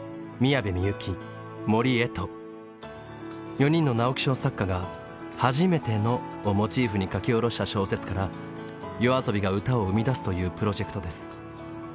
４人の直木賞作家が「はじめての」をモチーフに書き下ろした小説からＹＯＡＳＯＢＩが歌を生み出すというプロジェクトです。